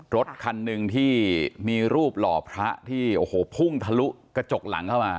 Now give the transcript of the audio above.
รถคันหนึ่งที่มีรูปหล่อพระที่โอ้โหพุ่งทะลุกระจกหลังเข้ามา